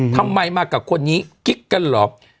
ทำไมมากับคนนี้กิ๊กกันเหรอ